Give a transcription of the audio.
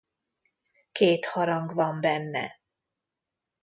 Két harang van benne.